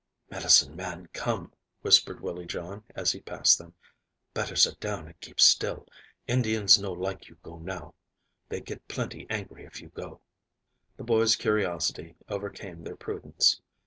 "Medicine man come," whispered Willie John, as he passed them. "Better sit down and keep still. Indians no like you go now. They get plenty angry if you go." The boys' curiosity overcame their prudence.